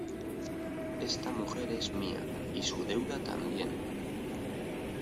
esta mujer es mía, y su deuda también.